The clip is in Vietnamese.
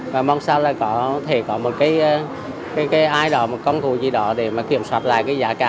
và mong sao là có thể có một cái ai đó một công cụ gì đó để mà kiểm soát lại cái giá cả